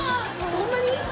そんなに？